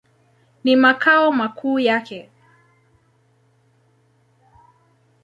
Ni makao makuu yake.